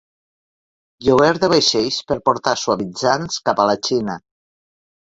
Lloguer de vaixells per portar suavitzants cap a la Xina.